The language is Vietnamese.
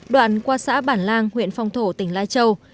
đoạn qua xã bản lang huyện phong thổ tỉnh lai châu